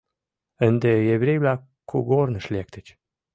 Ынде еврей-влак кугорныш лектыч.